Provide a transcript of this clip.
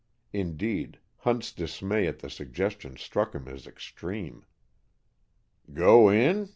Indeed, Hunt's dismay at the suggestion struck him as extreme. "Go in?